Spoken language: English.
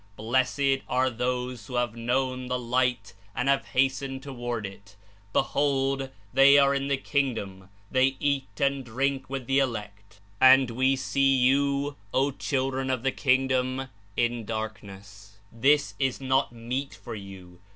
Blessed are those who have known the Light and have hastened toward it : behold they are in the King dom, they eat and drink with the elect. And We see 113 you, O children of the Kingdom In darkness; this is not meet for you.